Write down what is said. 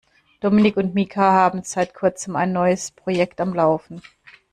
Dominik und Mika haben seit kurzem ein neues Projekt am Laufen.